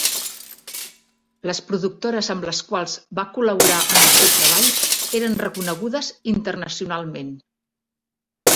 Les productores amb les quals va col·laborar en el seu treball eren reconegudes internacionalment.